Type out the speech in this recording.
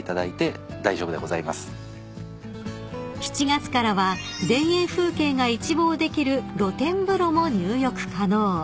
［７月からは田園風景が一望できる露天風呂も入浴可能］